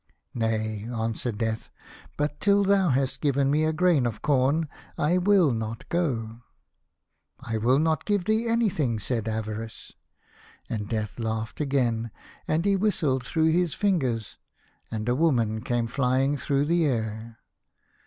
"Nay," answered Death, "but till thou 16 The Young King. hast given me a grain of corn I will not " I will not give thee anything," said Avarice. And Death laughed again, and he whistled through his fingers, and a woman came flying through the air.